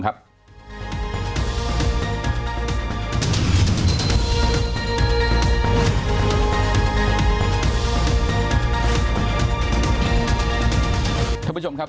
ท่านผู้ชมครับ